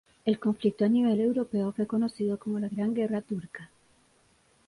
El conflicto a nivel europeo fue conocido como la Gran Guerra Turca.